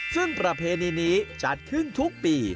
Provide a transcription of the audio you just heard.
ซึ่งประเพณีนี้จัดขึ้นทุกปี